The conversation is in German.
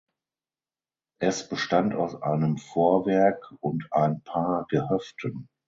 Es bestand aus einem Vorwerk und ein paar Gehöften.